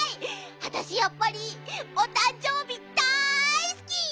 あたしやっぱりおたんじょうびだいすき！